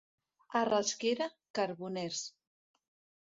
A Rasquera, carboners.